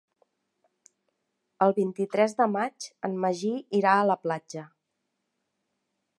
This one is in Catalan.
El vint-i-tres de maig en Magí irà a la platja.